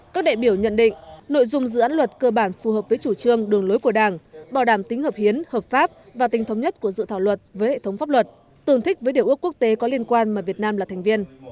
các đại biểu nhận định nội dung dự án luật cơ bản phù hợp với chủ trương đường lối của đảng bảo đảm tính hợp hiến hợp pháp và tình thống nhất của dự thảo luật với hệ thống pháp luật tương thích với điều ước quốc tế có liên quan mà việt nam là thành viên